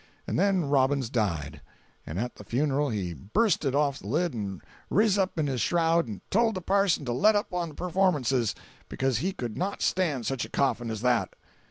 And then Robbins died, and at the funeral he bursted off the lid and riz up in his shroud and told the parson to let up on the performances, becuz he could not stand such a coffin as that.